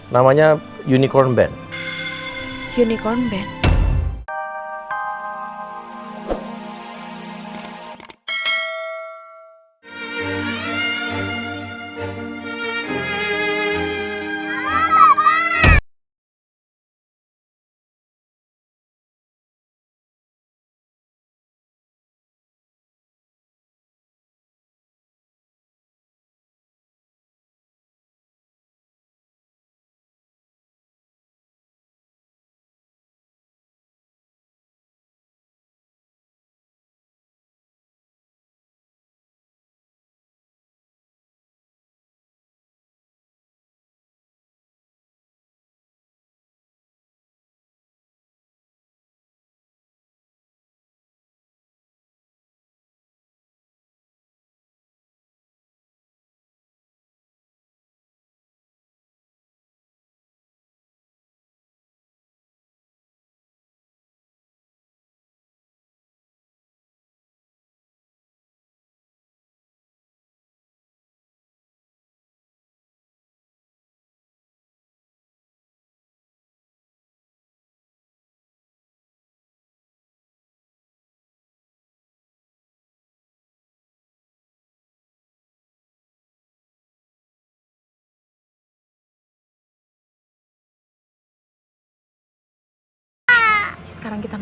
namanya unicorn band